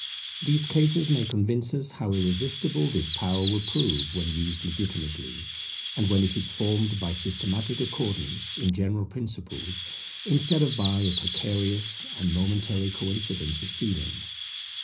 These cases may convince us how irresistible this power will prove when used legitimately, and when it is formed by systematic accordance in general principles instead of by a precarious and momentary coincidence of feeling.